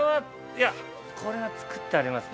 ◆これは作ってありますね。